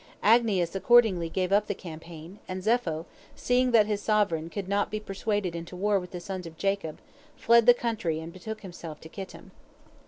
Agnias accordingly gave up the campaign, and Zepho, seeing that his sovereign could not be persuaded into war with the sons of Jacob, fled the country and betook himself to Kittim.